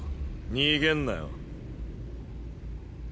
逃げんなよ。